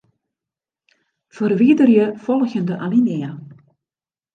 Ferwiderje folgjende alinea.